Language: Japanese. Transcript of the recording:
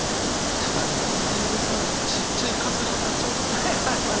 たまにコンビニでさちっちゃい傘当たっちゃう時あるもんね。